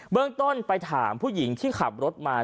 เรื่องต้นไปถามผู้หญิงที่ขับรถมา